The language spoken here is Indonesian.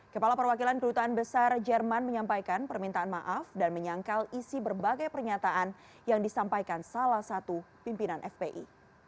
kepala perwakilan kedutaan besar jerman menyampaikan permintaan maaf dan menyangkal isi berbagai pernyataan yang disampaikan salah satu pimpinan fpi